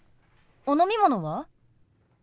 お飲み物は？